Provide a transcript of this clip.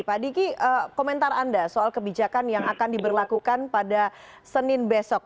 pak diki komentar anda soal kebijakan yang akan diberlakukan pada senin besok